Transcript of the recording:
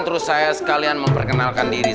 terus saya sekalian memperkenalkan diri